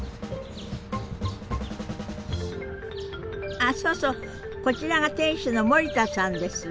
あそうそうこちらが店主の森田さんです。